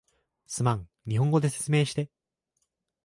すまん、日本語で説明して